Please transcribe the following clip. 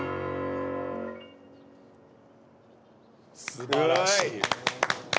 素晴らしい。